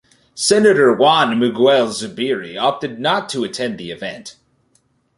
Senator Juan Miguel Zubiri opted not to attend the event.